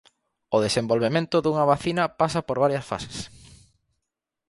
O desenvolvemento dunha vacina pasa por varias fases.